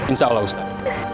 insya allah ustaz